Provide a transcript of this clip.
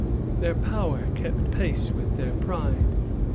Their power kept pace with their pride.